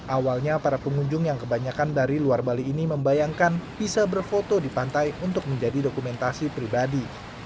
awalnya para pengunjung yang kebanyakan dari luar bali ini membayangkan bisa berfoto di pantai untuk menjadi dokumentasi pribadi